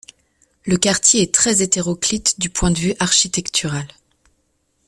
Le quartier est très hétéroclite du point de vue architectural.